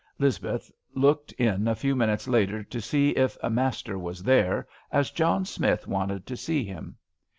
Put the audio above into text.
Lizbeth looked in a few minutes later to see if " Master " was there, as John Smith wanted to see him.